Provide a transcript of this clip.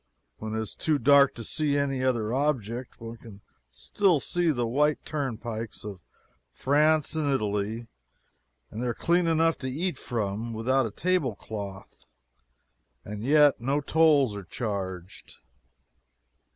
When it is too dark to see any other object, one can still see the white turnpikes of France and Italy; and they are clean enough to eat from, without a table cloth. And yet no tolls are charged.